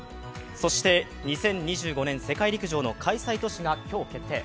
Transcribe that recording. そして、２０２５年世界陸上の開催都市が今日決定。